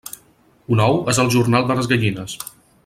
Un ou és el jornal de les gallines.